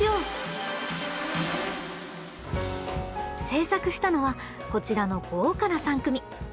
制作したのはこちらの豪華な３組！